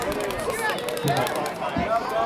To no avail.